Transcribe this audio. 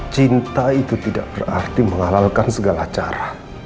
cinta itu tidak berarti menghalalkan segala cara